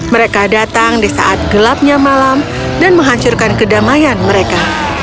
mereka datang di saat gelapnya malam dan menghancurkan kedamaian mereka